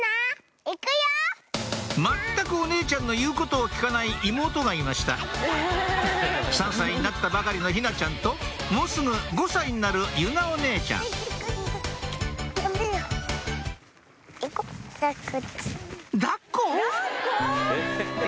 全くお姉ちゃんの言うことを聞かない妹がいました３歳になったばかりの陽菜ちゃんともうすぐ５歳になる結菜お姉ちゃん抱っこ？